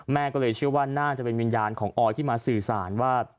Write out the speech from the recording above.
แม่ก็เลยเชื่อว่าน่าจะเป็นวิญญาณของออยที่มาสื่อสารว่า